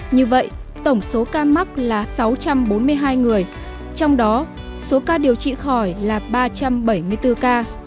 như vậy tổng số ca mắc là sáu trăm bốn mươi hai người trong đó số ca điều trị khỏi là ba trăm bảy mươi bốn ca